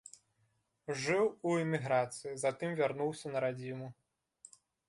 Жыў у эміграцыі, затым вярнуўся на радзіму.